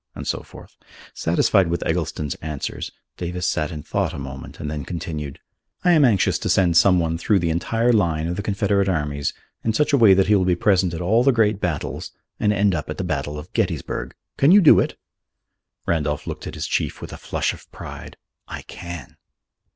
and so forth. Satisfied with Eggleston's answers, Davis sat in thought a moment, and then continued: "I am anxious to send some one through the entire line of the Confederate armies in such a way that he will be present at all the great battles and end up at the battle of Gettysburg. Can you do it?" Randolph looked at his chief with a flush of pride. "I can."